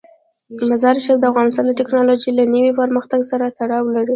مزارشریف د افغانستان د تکنالوژۍ له نوي پرمختګ سره تړاو لري.